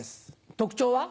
特徴は？